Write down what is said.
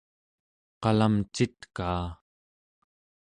qalamcitkaa